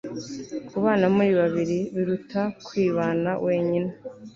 kubana muri babiri biruta kwibana wenyine